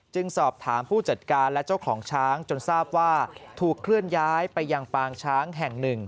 สอบถามผู้จัดการและเจ้าของช้างจนทราบว่าถูกเคลื่อนย้ายไปยังปางช้างแห่งหนึ่ง